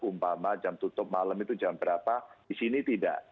umpama jam tutup malam itu jam berapa di sini tidak